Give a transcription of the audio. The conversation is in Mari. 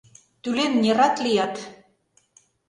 Тӱлен нерат лият.